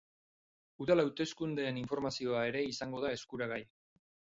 Udal hauteskundeen informazioa ere izango da eskuragai.